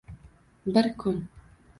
Bir kun